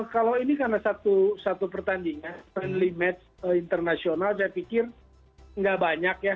kalau ini karena satu pertandingan friendly match internasional saya pikir nggak banyak ya